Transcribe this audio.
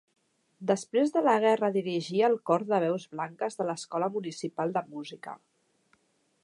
Després de la guerra dirigí el cor de veus blanques de l'Escola Municipal de Música.